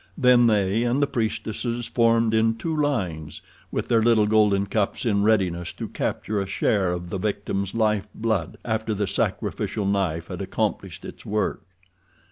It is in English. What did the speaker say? Then they and the priestesses formed in two lines, with their little golden cups in readiness to capture a share of the victim's lifeblood after the sacrificial knife had accomplished its work.